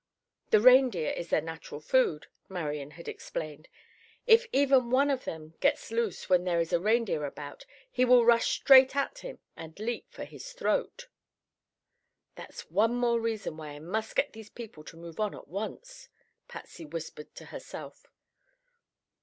"The reindeer is their natural food," Marian had explained. "If even one of them gets loose when there is a reindeer about he will rush straight at him and leap for his throat." "That's one more reason why I must get these people to move on at once," Patsy whispered to herself.